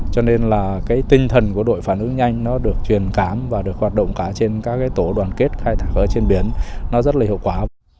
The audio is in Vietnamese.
cho nên là cái tinh thần của đội phản ứng nhanh nó được truyền cám và được hoạt động cả trên các cái tổ đoàn kết khai thả khởi trên biển nó rất là hiệu quả